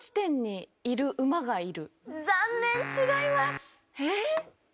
残念違います！